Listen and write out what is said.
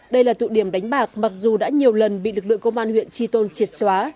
đây là tụ điểm đánh bạc mặc dù đã nhiều lần bị lực lượng công an huyện tri tôn triệt xóa